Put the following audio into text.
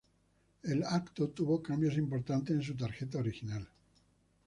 El evento tuvo cambios importantes en su tarjeta original.